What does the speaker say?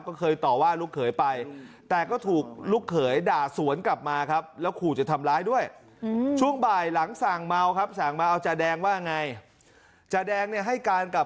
ก็เคยต่อว่าลูกเขยไปแต่ก็ถูกลูกเขยด่าสวนกลับมาครับ